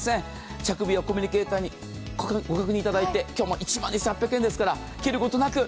着日はコミュニケーターにご確認いただいて、今日は１万２８００円ですから切ることなく。